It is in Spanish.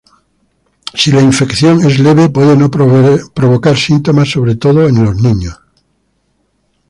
Si la infección es leve puede no provocar síntomas, sobre todo en niños.